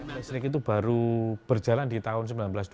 listrik itu baru berjalan di tahun seribu sembilan ratus dua puluh